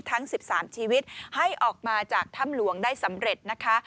ทั้ง๑๓ชีวิตให้ออกมาจากถ้ำหลวงได้สำเร็จนะคะ